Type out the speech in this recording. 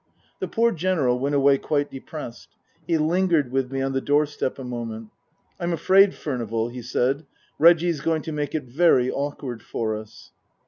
The poor General went away quite depressed. He lingered with me on the doorstep a moment. "I'm afraid, Furnival," he said, " Reggie's going to make it very awkward for us."